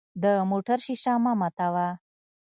د موټر شیشه مه ماتوه.